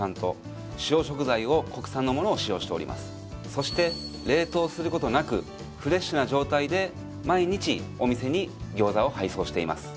そして冷凍することなくフレッシュな状態で毎日お店にギョーザを配送しています。